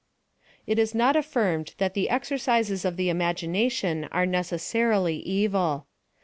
It is not affirmed that the exercises of the imagi nation are necessarily evil.